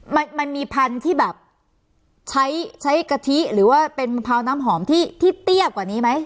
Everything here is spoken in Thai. มันมันมีพันธุ์ที่แบบใช้ใช้กะทิหรือว่าเป็นมะพร้าวน้ำหอมที่ที่เตี้ยกว่านี้ไหม